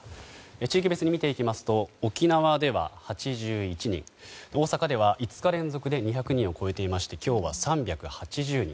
地域別に見ていきますと沖縄では８１人大阪では５日連続で２００人を超えていまして今日は３８０人